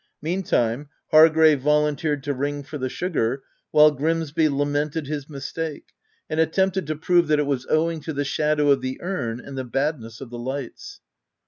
Meantime, Har grave volunteered to ring for the sugar, while Grimsby lamented his mistake, and attempted to prove that it was owing to the shadow of the urn and the badness of the lights.